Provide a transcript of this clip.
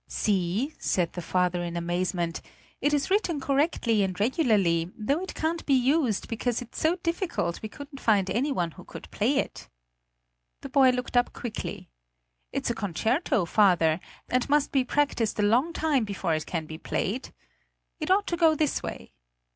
"See," said the father in amazement, "it is written correctly and regularly, though it can't be used because it's so difficult we couldn't find any one who could play it." The boy looked up quickly. "It's a concerto, father, and must be practiced a long time before it can be played. It ought to go this way."